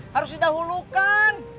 harus jadi dahulu kan